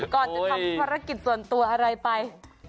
ก่อนจะทำภารกิจส่วนตัวอะไรไป